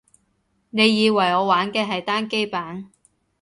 你以為我玩嘅係單機版